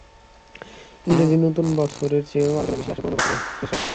ইংরেজি নতুন বছরের চেয়েও আলোচনায় বেশি আসে পুরোনো বছরের শেষ রাতটি।